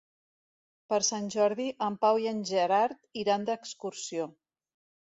Per Sant Jordi en Pau i en Gerard iran d'excursió.